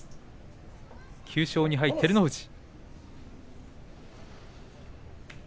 ９勝２敗、照ノ富士。